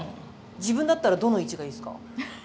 自分だったらどの位置がいいですか？